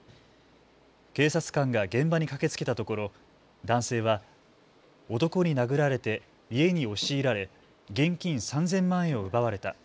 警察官が現場に駆けつけたところ男性は男に殴られて家に押し入られ現金３０００万円を奪われた。